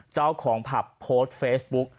เจ้าของผับโพสต์เฟซบุ๊ก